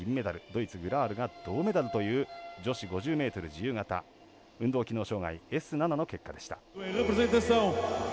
ドイツ、グラールが銅メダルという女子４０ｍ自由形運動機能障がいＳ７の結果でした。